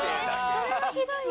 それはひどい。